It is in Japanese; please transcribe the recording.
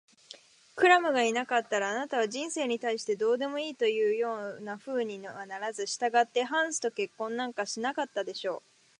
クラムがいなかったら、あなたは人生に対してどうでもいいというようなふうにはならず、したがってハンスと結婚なんかしなかったでしょう。